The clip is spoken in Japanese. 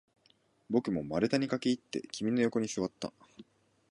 僕も丸太に駆けていって、君の横に座った